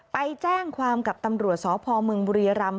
ไปแจ้งความกับตำรวจสพมบุรีรำ